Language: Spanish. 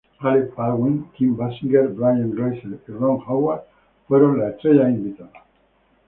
Alec Baldwin, Kim Basinger, Brian Grazer y Ron Howard fueron las estrellas invitadas.